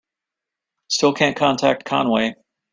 Still can't contact Conway.